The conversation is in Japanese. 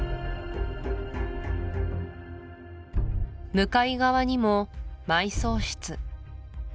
向かい側にも埋葬室